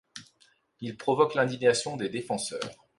Il provoque l'indignation des défenseurs.